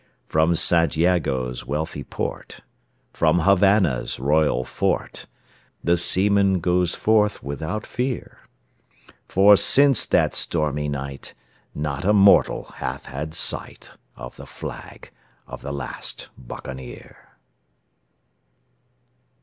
From St Jago's wealthy port, from Havannah's royal fort, The seaman goes forth without fear; For since that stormy night not a mortal hath had sight Of the flag of the last Buccaneer.